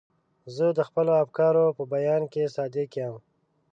زه د خپلو افکارو په بیان کې صادق یم.